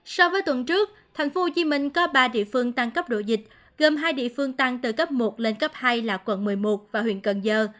so với tuần trước tp hcm có ba địa phương tăng cấp độ dịch gồm hai địa phương tăng từ cấp một lên cấp hai là quận một mươi một và huyện cần giờ